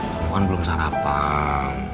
kamu kan belum sarapan